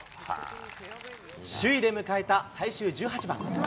首位で迎えた最終１８番。